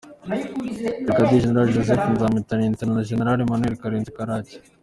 Brigadier General Joseph NzabamwitaLieutenant na General Emmanuel Karenzi Karake